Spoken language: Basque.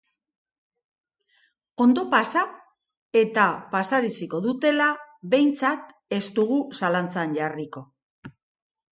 Ondo pasa eta pasaraziko dutela behintzat ez dugu zalantzan jarriko.